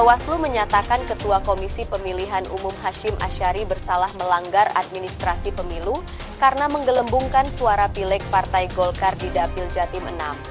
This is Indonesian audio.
bawaslu menyatakan ketua komisi pemilihan umum hashim ashari bersalah melanggar administrasi pemilu karena menggelembungkan suara pilek partai golkar di dapil jatim enam